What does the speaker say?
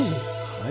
はい。